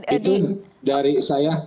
itu dari saya